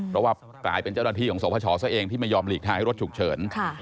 เพราะว่ากลายเป็นเจ้าหน้าที่ของสพชซะเองที่ไม่ยอมหลีกทางให้รถฉุกเฉิน